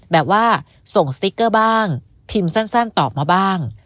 แบบว่าส่งสติ๊กเกอร์บ้างพิมพ์สั้นตอบมาบ้าง